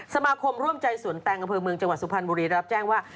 สมาคมร่วมใจสวนแตงอำเภอเมืองจังหวัดสุพรรณบุรีรับแจ้งว่า